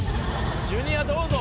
ジュニアどうぞ。